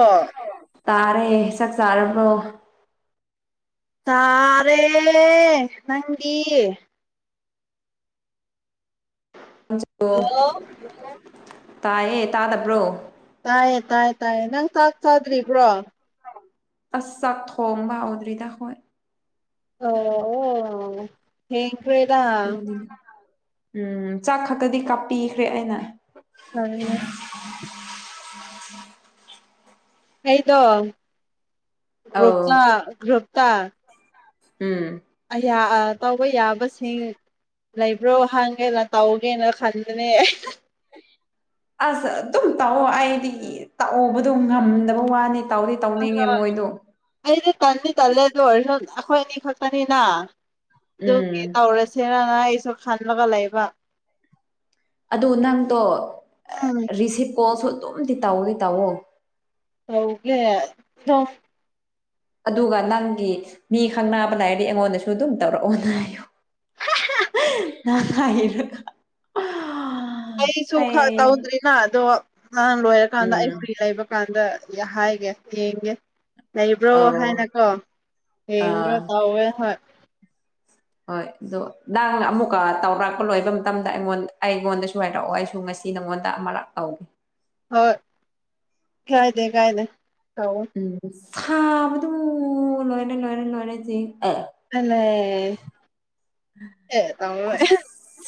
ꯑꯥ ꯇꯥꯔꯦ ꯆꯥꯛ ꯆꯥꯔꯕ꯭ꯔꯣ ꯆꯥꯔꯦ ꯅꯪꯗꯤ ꯅꯪꯁꯨ ꯍꯜꯂꯣ [unintelligible] ꯇꯥꯏꯌꯦ ꯇꯥꯗꯕ꯭ꯔꯣ ꯇꯥꯏꯌꯦ ꯇꯥꯏ ꯇꯥꯏ ꯅꯪ ꯆꯥꯛ ꯆꯥꯗ꯭ꯔꯤꯕ꯭ꯔꯣ ꯑꯁ ꯆꯥꯛ ꯊꯣꯡꯕ ꯍꯧꯗ꯭ꯔꯤꯗ ꯍꯣꯏ ꯑꯣ ꯊ‌ꯦꯡꯈꯔ‌ꯦꯗ ꯎꯝ ꯆꯥꯛ ꯈꯛꯇꯗꯤ ꯀꯥꯞꯄꯤꯈ꯭ꯔꯦ ꯑꯩꯅ [unintelligible] ꯑꯩꯗꯣ ꯑꯧ ꯒ꯭ꯔꯨꯞꯀ ꯒ꯭ꯔꯨꯞꯇ ꯎꯝ ꯑꯩꯌꯥ ꯑꯥ ꯇꯧꯕ ꯌꯥꯕꯁꯤꯡ ꯂꯩꯕ꯭ꯔꯣ ꯍꯪꯒꯦꯅ ꯇꯧꯒꯦꯅ ꯈꯟꯕꯅꯦ ꯑꯁ ꯑꯗꯨꯝ ꯇꯧꯋ‌ꯣ ꯑꯩꯗꯤ ꯇꯧꯕꯗꯣ ꯉꯝꯗꯕ ꯋꯥꯅ‌ꯦ ꯇꯧꯗꯤ ꯇꯧꯅꯤꯡꯉꯦ ꯃꯣꯏꯗꯣ ꯑꯩꯗꯤ ꯇꯟꯗꯤ ꯇꯜꯂꯦ ꯑꯗꯨ ꯑꯣꯏꯔꯁꯨ ꯑꯈꯣꯏ ꯑꯅꯤ ꯈꯛꯇꯅꯤꯅ ꯎꯝ ꯗꯨꯒꯤ ꯇꯧꯔꯁꯤꯔꯅ ꯑꯩꯁꯨ ꯈꯜꯂꯒ ꯂꯩꯕ ꯑꯗꯨ ꯅꯪꯗꯣ ꯎꯝ ꯔꯤꯁꯤꯞ ꯀꯣꯜꯁꯨ ꯑꯗꯨꯝꯗꯤ ꯇꯧꯗꯤ ꯇꯧꯋꯣ ꯇꯧꯒꯦ ꯗ‌ꯣ ꯑꯗꯨꯒ ꯅꯪꯒꯤ ꯃꯤ ꯈꯪꯅꯕ ꯂꯩꯔꯗꯤ ꯑꯩꯉꯣꯟꯗꯁꯨ ꯑꯗꯨꯝ ꯇꯧꯔꯛꯑꯣꯅ ꯍꯥꯏꯌꯨ ꯅꯪ ꯍꯥꯏꯔꯒ ꯑꯩꯁꯨ ꯈ ꯑꯩ ꯇꯧꯗ꯭ꯔꯤꯅ ꯑꯗꯣ ꯅꯍꯥꯟ ꯂꯣꯏꯔꯀꯥꯟꯗ ꯑꯩ ꯎꯝ ꯐ꯭ꯔꯤ ꯂꯩꯕ ꯀꯥꯟꯗ ꯌꯥ ꯍꯥꯏꯒꯦ ꯌꯦꯡꯒꯦ ꯂꯩꯕ꯭ꯔꯣ ꯑꯧ ꯍꯥꯏꯅꯀꯣ ꯑꯥ ꯌꯦꯡꯕ꯭ꯔ ꯇꯧꯋꯦ ꯍꯣꯏ ꯍꯣꯏ ꯗꯣ ꯅꯪ ꯑꯃꯨꯛꯀ ꯇꯧꯔꯛꯄ ꯂꯣꯏꯕ ꯃꯇꯝꯗ ꯑꯩꯉꯣꯟ ꯑꯩꯉꯣꯟꯗꯁꯨ ꯍꯥꯏꯔꯛꯑꯣ ꯑꯩꯁꯨ ꯉꯁ ꯇꯤ ꯅꯉꯣꯟꯗ ꯑꯃꯥꯔꯛ ꯇꯧꯒꯦ ꯍꯣꯏ ꯀꯥꯏꯗ‌ꯦ ꯀꯥꯏꯗ‌ꯦ ꯇꯧꯋ‌ꯣ ꯎꯝ ꯁꯥꯕꯗꯨ ꯂꯣꯏꯔꯦ ꯂꯣꯏꯔꯦ ꯂꯣꯏꯔꯦ ꯖꯤ ꯑ‌ꯦ ꯐꯖꯩ ꯑꯦ ꯇꯧꯋ‌ꯦ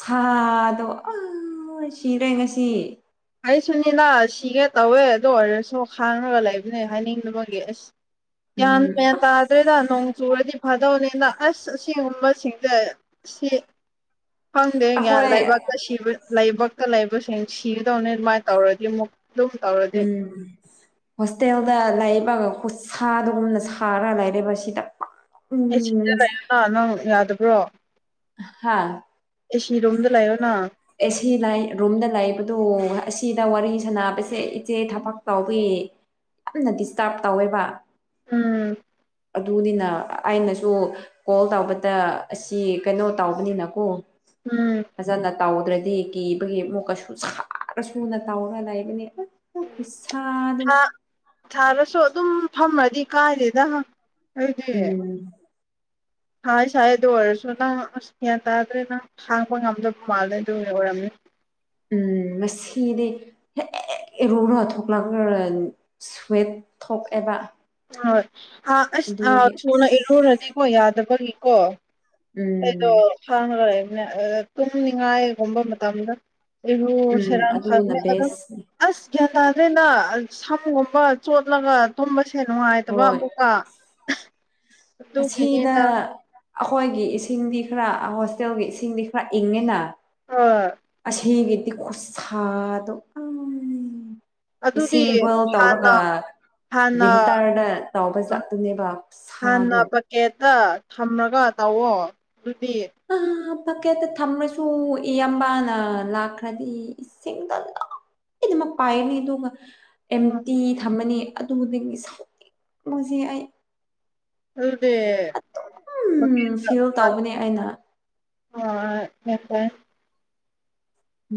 ꯁꯥꯗꯣ ꯑ ꯂ‌ꯣꯏ ꯁꯤꯔꯦ ꯉꯁꯤ ꯑꯩ ꯁꯨꯅꯤꯅ ꯁꯤꯒꯦ ꯇꯧꯋꯦ ꯑꯗꯨ ꯑꯣꯏꯔꯁꯨ ꯈꯥꯡꯉꯒ ꯂꯩꯕꯅꯦ ꯍꯥꯏꯅꯤꯡꯕꯒꯤ ꯑꯁ ꯒꯌꯥꯟ ꯎꯝ ꯃ‌ꯦꯟ ꯇꯥ ꯑꯁ ꯗꯔ‌ꯦꯗ ꯅꯣꯡ ꯆꯨꯔꯗꯤ ꯐꯥꯗꯧꯅꯤꯅ ꯑꯁ ꯑꯁ‌ꯦꯡꯕ ꯁꯤꯡꯖ‌ꯦ ꯁꯤ ꯈꯪꯗꯦ ꯒꯌꯥꯟ ꯑꯩꯈꯣꯏ ꯂꯥꯏꯕꯛꯇ ꯁꯤꯕ ꯂꯩꯕꯛꯇ ꯂꯩꯕꯁꯤꯡ ꯁꯤꯒꯗꯧꯅ‌ꯦ ꯑꯗꯨꯃꯥꯏ ꯇꯧꯔꯗꯤ ꯑꯃꯨꯛ ꯗꯨꯝ ꯇꯧꯔ ꯎꯝ ꯍꯣꯁꯇꯦꯜꯗ ꯂꯩꯕ ꯈꯨꯠꯁꯥꯗꯒꯨꯝꯅ ꯁꯥꯔ ꯂꯩꯔ‌ꯦꯕꯔ ꯁꯤꯗ ꯑꯩ ꯁꯤꯗ ꯎꯝ ꯂꯩꯔꯒ ꯅꯪ ꯌꯗꯕ꯭ꯔꯣ ꯍꯥꯥ ꯑꯦ ꯁꯤ ꯔꯨꯝꯗ ꯂꯩꯌꯨꯅ ꯑꯦ ꯁꯤ ꯅ ꯑꯩ ꯔꯨꯝꯗ ꯂꯩꯕꯗꯨ ꯑꯁꯤꯗ ꯋꯥꯔꯤ ꯁꯥꯅꯕꯁꯦ ꯏꯆꯦ ꯊꯕꯛ ꯇꯧꯕꯤ ꯌꯥꯝꯅ ꯗꯤꯁꯇꯔꯕ ꯇꯧꯋꯦꯕ ꯎꯝ ꯑꯗꯨꯅꯤꯅ ꯑꯩꯅꯁꯨ ꯀꯣꯜ ꯇꯧꯕꯗ ꯑꯁꯤ ꯀꯩꯅꯣ ꯇꯧꯕꯅꯤꯅ ꯀꯣ ꯎꯝ ꯐꯖꯅ ꯇꯧꯗ꯭ꯔꯗꯤ ꯀꯤꯕꯒꯤ ꯑꯃꯨꯛ ꯀꯁꯨ ꯁꯥꯔ ꯁꯨ ꯅ ꯇꯧꯔꯒ ꯂꯩꯕꯅꯦ ꯈꯨꯠꯁꯥꯗꯣ ꯁꯥꯥꯔꯁꯨ ꯑꯗꯨꯝ ꯐꯝꯔꯗꯤ ꯀꯥꯏꯗꯦꯗ ꯑꯩꯗꯤ ꯎꯝ ꯁꯥꯏ ꯁꯥꯏ ꯑꯗꯨ ꯑꯣꯏꯔꯁꯨ ꯅꯪ ꯑꯁ ꯒ꯭ꯌꯥꯟ ꯇꯥꯗ꯭ꯔꯦ ꯅꯪ ꯈꯥꯡꯕ ꯉꯝꯗꯕ ꯃꯥꯜꯂꯦ ꯑꯗꯨꯒꯤ ꯑꯣꯏꯔꯝꯅꯤ ꯎꯝ ꯉꯁꯤꯗꯤ ꯍꯦꯛ ꯏꯔꯨꯔꯥ ꯊꯣꯛꯂꯛꯈ꯭ꯔꯥ ꯁꯨꯋꯦꯠ ꯊꯣꯛꯑꯦꯕ ꯍꯣꯏ ꯑꯥ ꯑꯁ ꯑꯥ ꯑꯗꯨꯒꯤ ꯊꯨꯅ ꯑꯁ ꯏꯔꯨꯔꯗꯤꯀꯣ ꯌꯥꯗꯕꯒꯤꯀꯣ ꯎꯝ ꯑꯩꯗꯣ ꯈꯥꯡꯔꯒ ꯂꯩꯕꯅꯦ ꯑꯗꯥ ꯇꯨꯝꯅꯤꯡꯉꯥꯏꯒꯨꯝꯕ ꯃꯇꯝꯗ ꯏꯔꯨ ꯎꯝ [unintelligible] ꯑꯗꯨꯅ ꯑꯗꯨꯝ ꯕꯦꯁꯅꯤ ꯑꯁ ꯒ꯭ꯌꯥꯟ ꯇꯥꯗ꯭ꯔꯦꯗ ꯁꯝꯒꯨꯝꯕ ꯆꯣꯠꯂꯒ ꯇꯨꯝꯕꯁꯦ ꯅꯨꯡꯉꯥꯏꯇꯕ ꯍꯣꯏ ꯑꯃꯨꯛꯀꯥ ꯑꯗꯨꯒꯤꯅꯦꯗ ꯑꯈꯣꯏꯒꯤ ꯏꯁꯤꯡꯗꯤ ꯈꯔ ꯍꯣꯁꯇꯦꯜꯒꯤ ꯏꯁꯤꯡꯗꯤ ꯈꯔ ꯏꯪꯉꯦꯅ ꯍꯣꯏ ꯑꯁꯤꯒꯤꯗꯤ ꯈꯨꯠꯁꯥꯗꯣ ꯑꯩ ꯑꯗꯨꯗꯤ ꯏꯁꯤꯡ ꯕꯣꯏꯜ ꯍꯥꯟꯅ ꯇꯧꯔꯒ ꯍꯥꯟꯅ ꯋꯤꯟꯇꯔꯗ ꯇꯧꯕ ꯆꯠꯇꯨꯅꯦꯕ ꯁꯥꯗꯣ ꯑꯦꯠꯇꯥ ꯊꯝꯔꯒꯥ ꯇꯧꯋꯣ ꯑꯗꯨꯗꯤ ꯑꯥ ꯕꯛꯀꯦꯠꯇꯥ ꯊꯝꯔꯁꯨ ꯏꯌꯥꯝꯕꯥꯅ ꯂꯥꯛꯈ꯭ꯔꯥꯗꯤ ꯏꯁꯤꯡꯗ ꯗꯨꯝ [unintelligible] ꯄꯥꯏꯒꯅꯤ ꯑꯗꯨꯒ ꯑꯦꯝ ꯇꯤ ꯊꯝꯃꯅꯤ ꯑꯗꯨꯗꯒꯤ ꯁꯥꯎꯅꯤꯡꯕꯁꯤ ꯑꯩ ꯑꯗꯨꯗꯤ ꯎꯝ ꯐꯤꯜ [inaudible] ꯇꯧꯕꯅꯦ ꯑꯩꯅ ꯍꯣꯏ [unintelligible]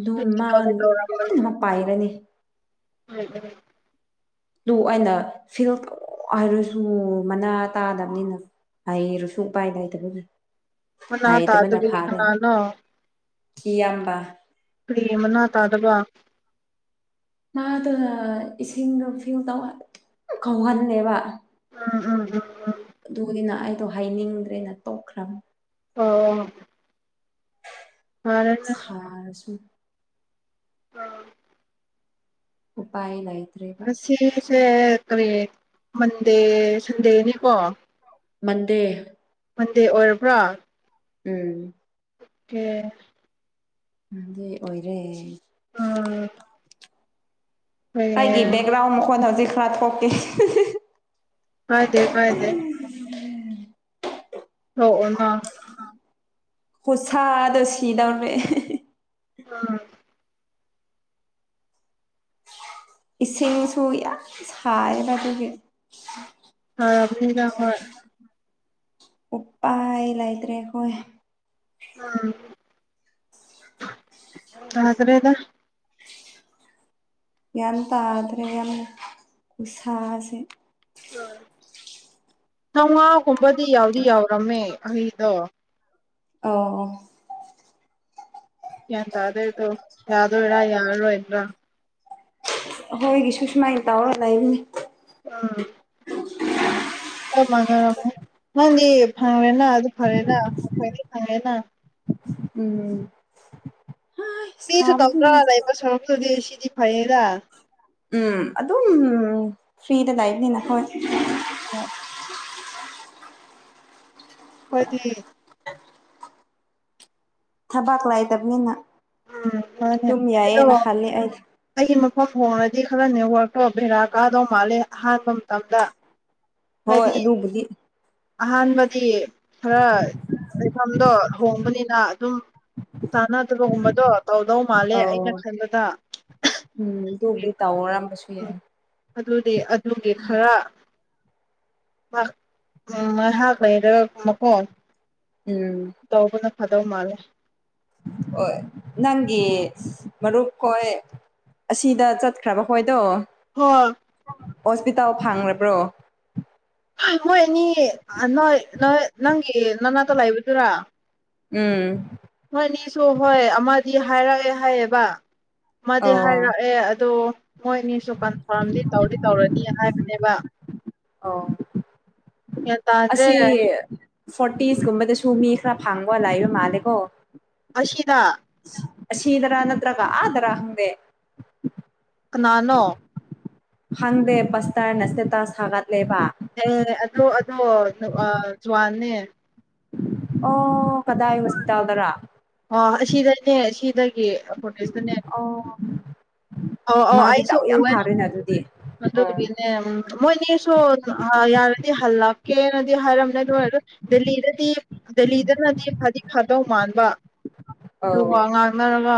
ꯗꯨ ꯑꯗꯨꯗꯤ ꯃꯥ ꯇꯧꯗꯤ ꯇꯧꯔꯝꯒꯅꯤ ꯂꯣꯏꯅꯃꯛ ꯄꯥꯏꯔꯅꯤ [unintelligible] ꯂꯨ ꯑꯩꯅ ꯐꯤꯜ ꯇꯧ ꯍꯥꯏꯔꯁꯨ ꯃꯅꯥ ꯇꯥꯗꯕꯅꯤꯅ ꯍꯩꯔꯁꯨ ꯎꯄꯥꯏ ꯂꯩꯇꯕꯒꯤ ꯃꯅꯥ ꯇꯥꯗ꯭ꯔꯤ [unintelligible] ꯀꯅꯅꯣ ꯀꯤꯌꯥꯝꯕ ꯀꯔꯤ ꯃꯅꯥ ꯇꯥꯗꯕ ꯃꯥꯗꯨꯅ ꯏꯁꯤꯡꯗꯣ ꯐꯤꯜ ꯇꯧ ꯑꯥ [inaudible] ꯗꯨꯝ ꯀꯧꯍꯜꯂꯦꯕ ꯎꯝ ꯎꯝ ꯎꯝ ꯎꯝ ꯑꯗꯨꯒꯒꯤꯅ ꯑꯩꯗꯣ ꯍꯥꯏꯅꯤꯡꯗ꯭ꯔꯦꯅ ꯇꯣꯈ꯭ꯔꯥꯝ ꯑꯣ ꯐꯔꯦꯅꯦ ꯁꯥꯔꯁꯨ ꯎꯄꯥꯥꯏ ꯂꯩ ꯉꯁꯤꯁꯦ ꯀꯔꯤ ꯃꯟꯗꯦ ꯁꯟꯗꯦꯅꯤꯀꯣ ꯃꯟꯗꯦ ꯃꯟꯗꯦ ꯑꯣꯏꯔꯕ꯭ꯔꯥ ꯎꯝ ꯀꯦ ꯃꯟꯗꯦ ꯑꯣꯏꯔꯦ ꯎꯝ ꯑꯩꯒꯤ ꯍꯌꯦꯡ ꯕꯦꯛꯒ꯭ꯔꯥꯎꯟ ꯃꯈꯣꯟ ꯍꯧꯖꯤꯛ ꯈꯔ ꯊꯣꯛꯀꯦ ꯀꯥꯏꯗꯦ ꯀꯥꯏꯗꯦ [unintelligible] ꯈꯨꯁꯥꯗꯥ ꯁꯤꯗꯧꯔꯦ ꯎꯝ ꯏꯁꯤꯡꯁꯨ ꯌꯝ ꯁꯥꯏꯕ ꯑꯗꯨꯒꯤ ꯐꯥꯔꯝꯅꯤꯗ ꯍꯣꯏ ꯎꯄꯥꯏ ꯂꯩꯇ꯭ꯔꯦ ꯑꯩꯈꯣꯏ ꯎꯝ ꯇꯥꯗ꯭ꯔꯦꯗ ꯒ꯭ꯌꯥꯟ ꯇꯥꯗ꯭ꯔꯦ ꯌꯥꯝ ꯈꯨꯁꯥꯁꯦ ꯆꯧꯉꯥꯒꯨꯝꯕꯗꯤ ꯌꯥꯎꯗꯤ ꯌꯥꯎꯔꯝꯃꯦ ꯑꯩꯗꯣ ꯑꯣ ꯑꯣ ꯒꯌꯥꯟ ꯇꯥꯗꯦ ꯑꯗꯣ ꯌꯥꯗꯣꯏꯔꯥ ꯌꯥꯔꯔꯣꯏꯗ꯭ꯔꯥ ꯑꯈꯣꯏꯒꯤꯁꯨ ꯁꯨꯃꯥꯏꯅ ꯇꯧꯔ ꯂꯩꯕꯅꯦ ꯎꯝ ꯑꯣ [unintelligible] ꯅꯪꯗꯤ ꯐꯔꯦꯅ ꯑꯗꯨ ꯐꯔꯦꯅ ꯈ꯭ꯋꯥꯏꯗꯒꯤ ꯐꯔꯦꯅ ꯎꯝ ꯍꯩ ꯃꯤꯁꯨ ꯇꯧꯗ꯭ꯔ ꯂꯩꯕ ꯁꯔꯨꯛꯄꯨꯗꯤ ꯁꯤꯗꯤ ꯐꯩꯌꯦꯗ ꯎꯝ ꯑꯗꯨꯝ ꯐ꯭ꯔꯤꯗ ꯂꯩꯕꯅꯤꯅ ꯍꯥ [inaudible] ꯑꯩꯈꯣꯏꯗꯤ ꯊꯕꯥꯛ ꯂꯥꯏꯇꯕꯅꯤꯅ ꯎꯝ ꯃꯥꯅꯦ ꯑꯗꯨꯝ ꯑꯩꯗꯣ ꯌꯥꯏꯌꯦꯅ ꯈꯜꯂꯦ ꯑꯩꯗꯤ ꯑꯩꯒꯤ ꯃꯐꯝ ꯍꯣꯡꯔꯗꯤ ꯈꯔ ꯅꯦꯠꯋꯔꯛꯇꯣ ꯕꯦꯔꯥ ꯀꯥꯗꯧ ꯃꯥꯜꯂꯦ ꯑꯍꯥꯟꯕ ꯃꯇꯝꯗ ꯍꯣꯏ ꯍꯥꯏꯗꯤ ꯑꯗꯨꯕꯨꯗꯤ ꯑꯍꯥꯟꯕꯗꯤ ꯈꯔ ꯂꯩꯐꯝꯗꯣ ꯍꯣꯡꯕꯅꯤꯅ ꯑꯗꯨꯝ ꯆꯥꯅꯗꯕꯒꯨꯝꯕꯗꯣ ꯇꯧꯗꯧ ꯃꯥꯜꯂꯦ ꯑꯩꯅ ꯑꯧ ꯈꯟꯕꯗ ꯎꯝ ꯑꯗꯨꯕꯨꯗꯤ ꯇꯧꯔꯝꯕꯁꯨ ꯎꯝ ꯌꯥꯏ ꯑꯗꯨꯗꯤ ꯑꯗꯨꯒꯤ ꯈꯔ ꯎꯝ ꯉꯥꯏꯍꯥꯛ ꯂꯩꯔꯒꯒꯨꯕꯀꯣ ꯎꯝ ꯇꯧꯕꯅ ꯐꯥꯗꯧ ꯃꯥꯜꯂꯦ ꯍꯣꯏ ꯅꯪꯒꯤ ꯃꯔꯨꯞ ꯈꯣꯏ ꯑꯁꯤꯗ ꯆꯠꯈ꯭ꯔꯕ ꯍꯣꯏꯗꯣ ꯍꯥ ꯍꯣꯁꯄꯤꯇꯥꯜ ꯐꯥꯡꯔꯕ꯭ꯔꯣ ꯃꯣꯏꯑꯅꯤ ꯅꯣꯏ ꯅꯣꯏ ꯅꯪꯒꯤ ꯅꯅꯥꯛꯇ ꯂꯩꯕꯗꯨꯔꯥ ꯎꯝ ꯃꯣꯏꯅꯤꯁꯨ ꯍꯣꯏ ꯑꯃꯗꯤ ꯍꯥꯏꯔꯛꯑꯦ ꯍꯥꯏꯌꯦꯕ ꯑꯃꯥꯗꯤ ꯑꯣ ꯍꯥꯏꯔꯛꯑꯦ ꯑꯗꯣ ꯃꯣꯏꯑꯅꯤꯁꯨ ꯀꯟꯐꯥꯔꯝꯗꯤ ꯇꯧꯗꯤ ꯇꯧꯔꯅꯤ ꯍꯥꯏꯕꯅꯦꯕ ꯑꯣ ꯒꯌꯥꯟ ꯇꯥꯗ꯭ꯔꯦ ꯐꯣꯔꯇꯤꯁ ꯀꯨꯝꯕꯗꯁꯨ ꯃꯤ ꯈꯔ ꯐꯥꯡꯕ ꯂꯩꯕ ꯃꯥꯜꯂꯦꯀꯣ ꯑꯁꯤꯗꯥ ꯑꯁꯤꯗꯔ ꯅꯠꯇ꯭ꯔꯒ ꯑꯥꯗꯔ ꯈꯪꯗꯦ ꯀꯅꯥꯅꯣ ꯍꯪꯗꯦ ꯄꯁꯇꯔꯅ ꯏꯁꯇꯦꯇꯥꯁ ꯊꯥꯒꯠꯂꯦꯕ ꯑꯦ ꯑꯗꯣ ꯑꯗꯣ ꯑꯥ ꯖꯨꯋꯥꯅꯦ ꯑꯣ ꯀꯗꯥꯏ ꯍꯣꯁꯄꯤꯇꯥꯜꯗꯔ ꯑꯣ ꯑꯁꯤꯗꯅꯦ ꯁꯤꯗꯒꯤ ꯐꯣꯔꯁꯦꯁꯇꯅꯦ ꯑꯣ ꯑꯣ ꯑꯣ ꯃꯥꯗꯤ ꯑꯩꯁꯨ ꯗꯥꯎ ꯌꯥꯝ ꯎꯋꯦ ꯐꯥꯔꯦꯅ ꯑꯗꯨꯗꯤ ꯑꯣ [unintelligible] ꯃꯣꯏꯅꯤꯁꯨ ꯌꯥꯔꯗꯤ ꯍꯜꯂꯛꯀꯦꯅꯗꯤ ꯍꯥꯏꯔꯝꯃꯦ ꯑꯗꯨ ꯑꯣꯏ ꯗꯦꯜꯂꯤꯗꯗꯤ ꯗꯦꯜꯂꯤꯗꯅꯗꯤ ꯐꯥꯗꯤ ꯐꯥꯗꯧ ꯃꯥꯟꯕ ꯑꯧ ꯑꯗꯨꯒ ꯋꯥ ꯉꯥꯡꯅꯔꯒ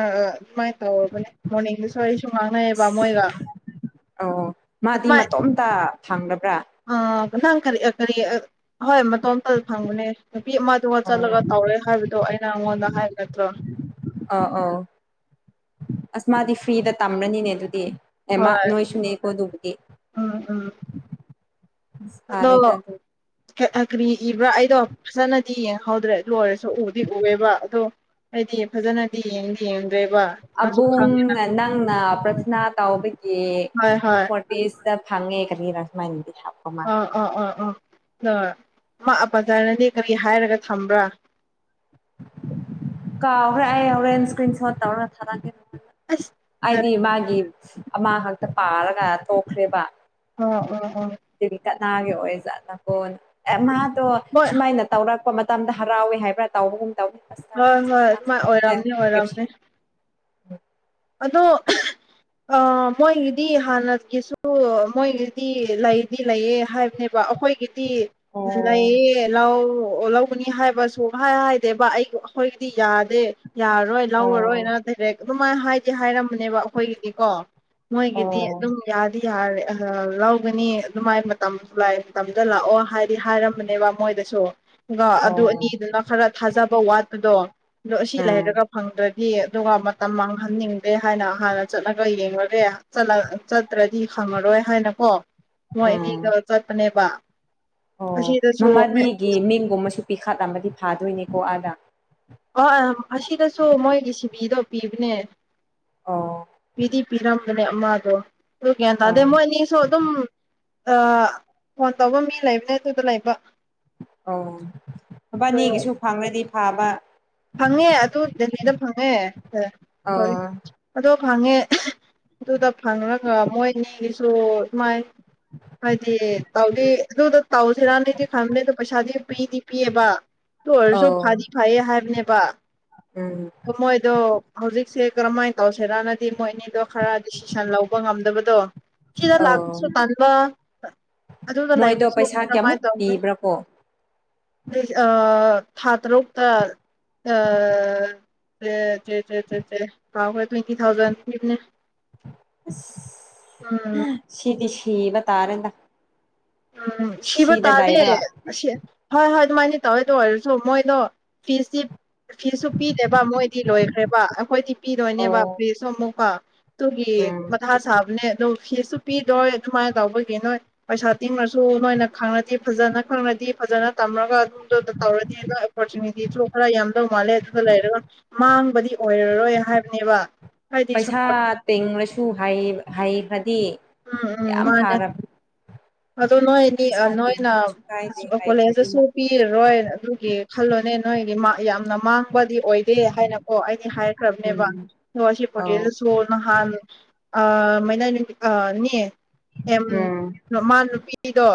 ꯑꯑꯗꯨꯃꯥꯏ ꯇꯧꯔꯕꯅꯦ ꯃꯣꯔꯅꯤꯡꯗꯁꯨ ꯑꯩꯁꯨ ꯉꯥꯡꯅꯩꯌꯦꯕ ꯃꯣꯏꯒ ꯑꯣ ꯑꯣ ꯃꯥꯗꯤ ꯃꯇꯣꯝꯇ ꯐꯪꯗꯕ꯭ꯔꯥ ꯑꯥ ꯃꯊꯪ ꯀꯔꯤ ꯀꯔꯤ ꯍꯣꯏ ꯃꯇꯣꯝꯇ ꯐꯪꯕꯅꯦ ꯅꯨꯄꯤ ꯑꯃ ꯑꯗꯨꯒ ꯑꯣ ꯆꯠꯂꯒ ꯇꯧꯔꯦ ꯍꯥꯏꯕꯗꯣ ꯑꯩꯅ ꯑꯩꯉꯣꯟꯗ ꯍꯥꯏꯕ ꯅꯠꯇ꯭ꯔꯣ ꯑꯣ ꯑꯣ ꯑꯁ ꯃꯥꯗꯤ ꯐ꯭ꯔꯤꯗ ꯇꯝꯕꯅꯤꯅꯦ ꯑꯗꯨꯗꯤ ꯑꯦ ꯃꯥ ꯍꯣꯏ ꯅꯣꯏꯁꯨꯨ ꯅꯦ ꯀꯣ ꯑꯗꯨꯕꯗꯤ ꯎꯝ ꯎꯝ ꯐꯔꯦ ꯇꯥ ꯑꯗꯣ ꯑꯗꯨ ꯑ ꯀꯔꯤ ꯏꯕ꯭ꯔꯥ ꯑꯩꯗꯣ ꯐꯖꯅꯗꯤ ꯌꯦꯡꯍꯧꯗ꯭ꯔꯦ ꯂꯣꯏꯔꯁꯨ ꯎꯗꯤ ꯎꯑꯦꯕ ꯑꯗꯣ ꯑꯩꯗꯤ ꯐꯖꯅꯗꯤ ꯌꯦꯡꯗꯤ ꯌꯦꯡꯗ꯭ꯔꯦꯕ ꯅꯪꯁꯨ ꯑꯕꯨꯡ ꯈꯪꯉꯦ ꯅꯪꯅ ꯄ꯭ꯔꯊꯅꯥ ꯇꯥꯎꯕꯒꯤ ꯍꯣꯏ ꯍꯣꯏ ꯄꯤꯁꯇ ꯐꯪꯉꯦ ꯀꯔꯤꯔ ꯃꯥꯏꯗꯤ ꯍꯥꯄ ꯃꯥ ꯑꯥ ꯑꯣ ꯑꯣ ꯑꯣꯏ ꯃꯥ ꯄꯥꯖꯅꯗꯤ ꯀꯔꯤ ꯍꯥꯏꯔꯒ ꯊꯝꯕ꯭ꯔꯥ ꯀꯥꯎꯈ꯭ꯔꯦ ꯑꯩ ꯍꯣꯔꯦꯟ ꯏꯁꯀ꯭ꯔꯤꯟ ꯁꯣꯠ ꯇꯧꯔꯒ ꯊꯥꯔꯛꯀꯦ ꯑꯁ ꯌꯥꯔꯦ꯫ ꯑꯩꯗꯤ ꯃꯥꯒꯤ ꯑꯃꯥ ꯈꯥꯛꯇ ꯄꯥꯔꯒ ꯇꯣꯛꯈ꯭ꯔꯦꯕ ꯑꯣ ꯑꯣ ꯑꯣ ꯇꯤꯟ ꯀꯅꯥꯒꯤ ꯑꯣꯏꯖꯠꯂꯀꯣ ꯑꯦ ꯃꯥꯥꯗꯣ ꯍꯣꯏ ꯁꯨꯃꯥꯏꯅ ꯇꯧꯔꯛꯄ ꯃꯇꯝꯗ ꯍꯔꯥꯎꯌꯦ ꯍꯥꯏꯕ꯭ꯔꯥ ꯇꯥꯎꯕꯒꯨꯝ ꯇꯧ ꯍꯣꯏ ꯍꯣꯏ ꯍꯣꯏ ꯑꯣꯏꯔꯝꯅꯤ ꯑꯣꯏꯔꯝꯅꯤ ꯑꯗꯣ ꯑ ꯃꯣꯏꯒꯤꯗꯤ ꯍꯥꯟꯅꯒꯤꯁꯨ ꯃꯣꯏꯒꯤꯗꯤ ꯂꯩꯗꯤ ꯂꯩꯌꯦ ꯍꯥꯏ ꯅꯦꯕ ꯑꯩꯈꯣꯏꯒꯤꯗꯤ ꯑꯣ ꯂꯩꯌꯦ ꯂꯥꯎ ꯂꯥꯎ ꯕꯨꯅꯤ ꯍꯥꯏꯕꯁꯨ ꯁꯨꯛꯍꯥꯏ ꯍꯥꯏꯗꯦꯕ ꯑꯩ ꯑꯩꯈꯣꯏꯒꯤꯗꯤ ꯌꯥꯗꯦ ꯌꯥꯔꯔꯣꯏ ꯑꯣ ꯂꯧꯔꯔꯣꯏꯅ ꯗꯥꯏꯔꯦꯛ ꯑꯗꯨꯃꯥꯏꯅ ꯍꯥꯏꯗꯤ ꯍꯥꯏꯔꯝꯕꯅꯦꯕ ꯑꯩꯈꯣꯏꯒꯤꯗꯤꯀꯣ ꯑꯣ ꯃꯣꯏꯒꯤꯗꯤ ꯑꯗꯨꯝ ꯌꯥꯗꯤ ꯌꯥꯔꯦ ꯑ ꯂꯧꯒꯅꯤ ꯑꯗꯨꯃꯥꯏ ꯃꯇꯝ ꯈꯨꯂꯥꯏ ꯃꯇꯝꯗ ꯂꯥꯛꯑꯣ ꯍꯥꯏꯗꯤ ꯍꯥꯏꯔꯝꯕꯅꯦꯕ ꯃꯣꯏꯗ ꯁꯨ ꯗꯨꯒ ꯑꯗꯨ ꯑꯣ ꯑꯅꯤꯗꯨꯅ ꯈꯔ ꯊꯥꯖꯕ ꯋꯥꯠꯄꯗꯣ ꯑꯗꯣ ꯑꯁꯤ ꯎꯝ ꯂꯩꯔꯒ ꯐꯪꯗ꯭ꯔ ꯌꯦ ꯑꯗꯨꯒ ꯃꯇꯝ ꯃꯥꯡꯍꯟꯅꯤꯡꯗꯦ ꯍꯥꯏꯅ ꯍꯥꯟꯅ ꯆꯠꯂꯒ ꯌꯦꯡꯂꯒꯦ ꯂꯠꯂ ꯂꯠ ꯇ꯭ꯔꯗꯤ ꯍꯪꯉꯔꯣꯏ ꯍꯥꯏꯅꯀꯣ ꯃꯣꯏ ꯑꯅꯤꯒ ꯎꯝ ꯆꯠꯄꯅꯦꯕ ꯑꯣ ꯑꯁꯤꯗꯁꯨ ꯃꯃꯥꯅꯤꯒꯤ ꯃꯤꯡꯒꯨꯝꯕꯁꯨ ꯄꯤꯈꯠ ꯂꯝꯃꯗꯤ ꯐꯥꯗꯣꯏꯅꯦꯀꯣ ꯑꯥꯗ ꯑꯣ ꯑꯁꯤꯗꯁꯨ ꯃꯣꯏꯒꯤ ꯁꯤꯕꯤꯗꯣ ꯄꯤꯕꯅꯦ ꯑꯧ ꯄꯤꯗꯤ ꯄꯤꯔꯝ ꯕꯅꯦ ꯃꯥꯗꯣ ꯑꯗꯨ ꯀ꯭ꯌꯥꯟ ꯇꯥꯗꯦ ꯑꯥ ꯃꯣꯏ ꯑꯅꯤꯁꯨ ꯑꯗꯨꯝ ꯑ ꯐꯣꯟ ꯇꯧꯕ ꯃꯤ ꯂꯩꯕꯅꯦ ꯑꯗꯨꯗ ꯂꯩꯕ ꯑꯣ ꯑꯗꯣ ꯃꯕꯥꯅꯤꯒꯤꯁꯨ ꯐꯪꯉꯗꯤ ꯐꯥꯕ ꯐꯪꯉꯦ ꯑꯗꯨ ꯗꯦꯜꯂꯤꯗ ꯐꯪꯉꯦ ꯍꯣꯏ ꯑꯧ ꯑꯊꯣ ꯐꯪꯉꯦ ꯑꯗꯨꯗ ꯐꯪꯔꯒ ꯃꯣꯏꯅꯤꯒꯤꯁꯨ ꯁꯨꯃꯥꯏ ꯍꯥꯏꯗꯤ ꯇꯥꯎꯗꯤ ꯑꯗꯨꯗ ꯇꯧꯁꯤꯔꯥꯟꯅꯤꯗꯤ ꯈꯪꯕꯅꯦ ꯑꯗꯣ ꯄꯩꯁꯥꯗꯤ ꯄꯤꯗꯤ ꯄꯤꯌꯦꯕ ꯗꯨ ꯑꯣꯏꯔꯁꯨ ꯑꯧ ꯐꯗꯤ ꯐꯩꯌꯦ ꯍꯥꯏꯕꯅꯦꯕ ꯎꯝ ꯗꯣ ꯃꯣꯏꯗꯣ ꯍꯧꯖꯤꯛꯁꯦ ꯀꯔꯝꯍꯥꯏꯅ ꯇꯧꯁꯤꯔꯥꯅ ꯗꯤ ꯃꯣꯏ ꯑꯅꯤꯗꯣ ꯈꯔ ꯗꯤꯁꯤꯖꯟ ꯂꯧꯕ ꯉꯝꯗꯕꯗꯣ ꯁꯤꯗ ꯑꯧ ꯂꯥꯛꯄꯁꯨ ꯇꯟꯕ ꯑꯗꯨꯗ ꯃꯣꯏꯗꯣ ꯂꯩꯕꯁꯨ ꯄꯩꯁꯥ ꯀꯔꯝꯃꯥꯏꯅ ꯀꯌꯥꯃꯨꯛ ꯇꯧꯅꯤ ꯄꯤꯕ꯭ꯔꯥꯀꯣ ꯑ ꯊꯥ ꯇꯔꯨꯛꯇ ꯑ ꯑ [unintelligible] ꯀꯧꯈ꯭ꯔꯦ ꯇ꯭ꯋꯦꯟꯇꯤ ꯊꯥꯎꯖꯟ ꯄꯤꯕꯅꯦ ꯑꯁ ꯎꯝ ꯁꯤꯗꯤ ꯁꯤꯕ ꯇꯥꯔꯦꯗ ꯎꯝ ꯁꯤꯕ ꯁꯤꯗ ꯇꯥꯗꯦ ꯂꯩꯔꯒ ꯑꯁꯤ ꯍꯣꯏ ꯍꯣꯏ ꯑꯗꯨꯃꯥꯏꯅ ꯇꯧꯌꯦ ꯑꯗꯨ ꯑꯣꯏꯔꯁꯨ ꯃꯣꯏꯗꯣ ꯐꯤꯁꯇꯤ ꯐꯤꯁꯁꯨ ꯄꯤꯗꯦꯕ ꯃꯣꯏꯗꯤ ꯂꯣꯏꯈ꯭ꯔꯦꯕ ꯑꯈꯣꯏꯗꯤ ꯑꯧ ꯄꯤꯗꯣꯏꯅꯦꯕ ꯐꯁꯁꯨ ꯑꯃꯨꯛꯀ ꯇꯨꯒꯤ ꯎꯝ ꯃꯊꯥ ꯁꯥꯕꯅꯦ ꯑꯗꯨ ꯐꯤꯁꯁꯨꯨ ꯄꯤꯔꯣꯏ ꯑꯗꯨꯃꯥꯏꯅ ꯇꯧꯕꯒꯤ ꯅꯣꯏ ꯄꯩꯁꯥ ꯇꯤꯡꯔꯁꯨ ꯅꯣꯏꯅ ꯈꯪꯔꯗꯤ ꯐꯖꯅ ꯈꯪꯔꯗꯤ ꯐꯖꯅ ꯇꯝꯔꯒ ꯑꯗꯨꯝꯗꯨ ꯇꯧꯔꯅꯤ ꯍꯥꯏꯕ ꯑꯣꯄꯣꯔꯆꯨꯅꯤꯇꯤꯁꯨ ꯈꯔ ꯌꯥꯝ ꯂꯧ ꯃꯥꯜꯂꯦ ꯈꯔ ꯂꯩꯔꯒ ꯃꯥꯡꯕꯗꯤ ꯑꯣꯏꯔꯔꯣꯏ ꯍꯥꯏꯕꯅꯦꯕ ꯍꯥꯏꯗꯤ ꯄꯩꯁꯥ ꯁꯞꯄꯣꯔꯠ ꯇꯤꯡꯂꯁꯨ ꯍꯥꯏꯌꯦ ꯍꯥꯏꯌꯦ ꯈ꯭ꯔꯗꯤ ꯎꯝ ꯎꯝ ꯃꯥꯅꯦ ꯑꯗꯣ ꯅꯣꯏꯅꯤ ꯑ ꯄꯩꯁꯥ ꯅꯣꯏꯅ ꯇꯤꯡꯕꯁꯨ ꯀꯥꯏꯗꯦ ꯍꯩꯈ꯭ꯔꯗꯤ ꯀꯣꯂꯦꯖꯇꯁꯨ ꯃꯥ ꯄꯤꯔꯔꯣꯏ ꯑꯗꯨꯒꯤ ꯈꯜꯂꯣꯅꯦ ꯅꯣꯏꯒꯤ ꯌꯥꯝꯅ ꯃꯥꯡꯕꯗꯤ ꯑꯣꯏꯗꯦ ꯍꯥꯏꯅ ꯑꯣ ꯑꯩꯗꯤ ꯍꯥꯏꯔꯈ꯭ꯔꯕꯅꯦꯕ ꯎꯝ ꯅꯣ ꯑꯁꯤꯞ ꯑꯧ ꯄꯣꯔꯇꯦꯁ ꯇꯣ ꯅꯍꯥꯟ ꯑ ꯃꯩꯅ ꯅꯨꯃꯤ ꯑꯅꯦ ꯎꯝ ꯇꯣ ꯃꯥ ꯅꯨꯄꯤꯗꯣ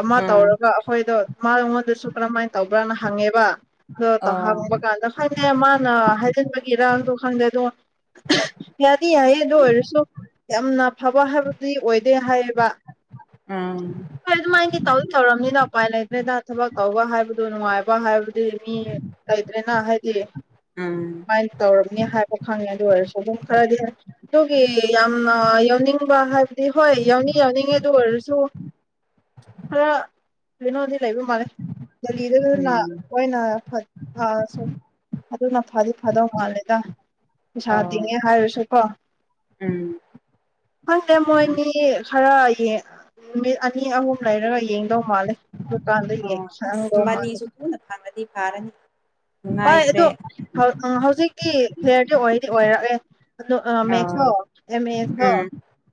ꯑꯃ ꯎꯝ ꯇꯧꯔꯒ ꯑꯈꯣꯏꯗꯣ ꯃꯥ ꯑꯩꯉꯣꯟꯗꯁꯨ ꯀꯔꯝꯍꯥꯏꯟ ꯇꯧꯕ꯭ꯔꯥꯅ ꯍꯪꯉꯦꯕ ꯑꯗꯣ ꯑꯧ ꯇꯧꯍꯥꯡꯕ ꯀꯥꯟꯗ ꯈꯪꯗꯦ ꯃꯥꯅ ꯍꯥꯏꯖꯤꯟꯕꯒꯤ ꯏꯔꯥꯡꯗꯣ ꯈꯪꯗꯦ ꯑꯗꯣ ꯌꯥꯗꯤ ꯌꯥꯏꯌꯦ ꯑꯗꯣ ꯑꯣꯏꯔꯁꯨ ꯌꯥꯝꯅ ꯐꯕ ꯍꯥꯏꯕꯗꯨꯗꯤ ꯑꯣꯏꯗꯦ ꯍꯥꯏꯌꯦꯕ ꯎꯝ ꯍꯣꯏ ꯑꯗꯨꯃꯥꯏꯟꯗꯤ ꯇꯧꯗꯤ ꯇꯧꯔꯝꯅꯤꯅ ꯎꯄꯥꯏ ꯂꯩꯇ꯭ꯔꯦꯗ ꯊꯕꯛ ꯇꯧꯕ ꯍꯥꯏꯕꯗꯣ ꯅꯨꯡꯉꯥꯏꯕ ꯍꯥꯏꯕꯗꯤ ꯃꯤ ꯇꯥꯏꯗ꯭ꯔꯦ ꯅ ꯍꯥꯏꯗꯤ ꯎꯝ ꯑꯩ ꯇꯧꯔꯝꯅꯤ ꯍꯥꯏꯕ ꯈꯪꯉꯦ ꯑꯗꯨ ꯑꯣꯏꯔꯁꯨ ꯑꯗꯨꯝ ꯈꯔꯗꯤ ꯑꯗꯨꯒꯤ ꯌꯥꯝꯅ ꯌꯥꯎꯅꯤꯡꯕ ꯍꯥꯏꯕꯗꯤ ꯍꯣꯏ ꯌꯥꯎꯅꯤꯡ ꯌꯥꯎꯅꯤꯡꯉꯤ ꯑꯗꯨ ꯑꯣꯏꯔꯁꯨ ꯈꯔ ꯀꯩꯅꯣꯗꯤ ꯂꯩꯕ ꯃꯥꯜꯂꯦ ꯎꯝ [unintelligible] ꯑꯣꯏꯅ ꯐꯠ ꯑꯥ ꯁꯨꯝ ꯑꯗꯨꯅ ꯐꯥꯗꯤ ꯐꯥꯗꯧ ꯃꯥꯜꯂꯦꯗ ꯄꯩꯁꯥ ꯑꯧ ꯇꯤꯉꯦ ꯍꯥꯏꯔꯁꯨꯀꯣ ꯎꯝ ꯈꯪꯗꯦ ꯃꯣꯏꯅꯤ ꯈꯔ ꯒꯤ ꯅꯨꯃꯤꯠ ꯑꯅꯤ ꯑꯍꯨꯝ ꯂꯩꯔꯒ ꯌꯦꯡꯗꯧ ꯃꯥꯜꯂꯦ ꯗꯨꯀꯥꯟꯗ ꯑꯣ ꯌꯦꯡ ꯑꯁ ꯁꯪꯗꯧ ꯃꯥꯜꯂꯦ ꯃꯅꯤꯁꯨ ꯊꯨꯅ ꯐꯪꯉꯗꯤ ꯐꯥꯔꯅꯤ ꯍꯣꯏ ꯑꯗꯣ ꯅꯨꯡꯉꯥꯏꯇ꯭ꯔꯦ ꯍꯧ ꯍꯧ ꯍꯧꯖꯤꯛꯇꯤ ꯄ꯭ꯂꯦꯌꯔꯗꯤ ꯑꯣꯏꯗꯤ ꯑꯣꯏꯔꯛꯑꯦ ꯑꯗꯨ ꯑ ꯑꯥ ꯃꯦꯛꯁꯇꯣ ꯑꯦꯃꯦꯁꯇꯣ ꯎꯝ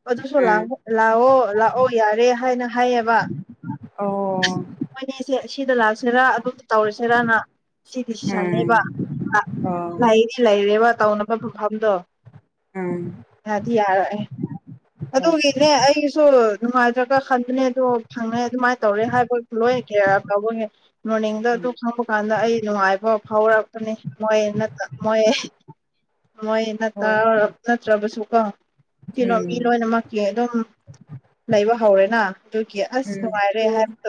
ꯑꯗꯨꯁꯨ ꯎꯝ ꯂꯥꯛꯄ ꯂꯥꯛꯑꯣ ꯂꯥꯛꯑꯣ ꯌꯥꯔꯦ ꯍꯥꯏꯅ ꯍꯥꯏꯌꯦꯕ ꯑꯣ ꯃꯣꯏꯅꯤꯁꯦ ꯁꯤꯗ ꯂꯥꯛꯁꯤꯔꯥ ꯑꯗꯨꯝꯗ ꯇꯧꯔꯁꯤꯔꯅ ꯁꯤ ꯎꯝ ꯗꯤꯁꯤꯁꯟꯅꯦꯕ ꯑꯣ ꯂꯩꯗꯤ ꯂꯩꯔꯦꯕ ꯇꯧꯅꯕ ꯃꯐꯝꯗꯣ ꯎꯝ ꯌꯥꯗꯤ ꯌꯥꯔꯛꯑꯦ ꯑꯣ ꯑꯗꯨꯒꯤꯅꯦ ꯑꯩꯁꯨ ꯅꯨꯡꯉꯥꯏꯇ꯭ꯔꯛ ꯇ꯭ꯔ ꯈꯟꯕꯅꯦ ꯑꯗꯣ ꯐꯪꯅꯩ ꯑꯗꯨꯃꯥꯏꯟ ꯇꯧꯔꯦ ꯍꯥꯏꯕ [unintelligible] ꯃꯣꯔꯅꯤꯡꯗ ꯎꯝ ꯑꯗꯨꯝ ꯈꯪꯕ ꯀꯥꯟꯗ ꯑꯩ ꯅꯨꯡꯉꯥꯏꯕ ꯐꯥꯎꯔꯛꯄꯅꯦ ꯃꯣꯏ ꯅꯠꯇ ꯃꯣꯏ ꯃꯣꯏ ꯅꯠꯇ ꯍꯣꯏ ꯅꯠꯇ꯭ꯔꯕꯁꯨ ꯀꯣ ꯀꯦꯅꯣ ꯎꯝ ꯃꯤ ꯂꯣꯏꯅꯃꯛ ꯀꯤ ꯑꯗꯨꯝ ꯂꯩꯕ ꯍꯧꯔꯦꯅ ꯑꯗꯨꯒꯤ ꯑꯁ ꯎꯝ ꯅꯨꯡꯉꯥꯏꯔꯦ ꯑꯗꯨꯅꯤ ꯍꯥꯏꯕ